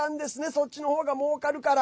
そっちの方が、もうかるから。